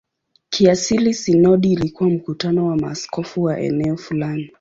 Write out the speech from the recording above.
Kiasili sinodi ilikuwa mkutano wa maaskofu wa eneo fulani.